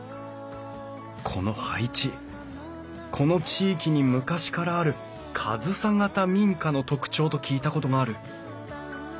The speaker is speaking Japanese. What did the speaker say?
この配置この地域に昔からある上総型民家の特徴と聞いたことがある。